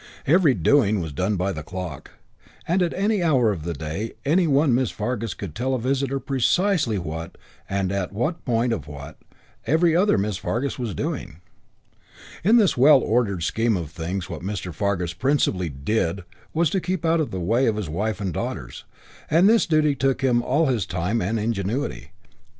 Every doing was done by the clock; and at any hour of the day any one Miss Fargus could tell a visitor precisely what, and at what point of what, every other Miss Fargus was doing. In this well ordered scheme of things what Mr. Fargus principally "did" was to keep out of the way of his wife and daughters, and this duty took him all his time and ingenuity.